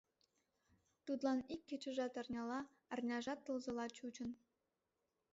Тудлан ик кечыжат арняла, арняжат тылзыла чучын.